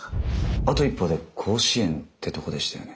あと一歩で甲子園ってとこでしたよね？